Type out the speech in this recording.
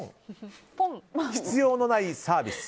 必要のないサービス